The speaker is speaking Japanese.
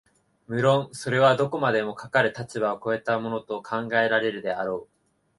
無論それはどこまでもかかる立場を越えたものと考えられるであろう、